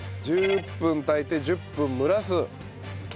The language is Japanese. １０分炊いて１０分蒸らす。